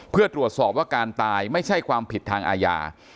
เพื่อตรวจสอบว่าการตายไม่ใช่ความผิดทางอาญา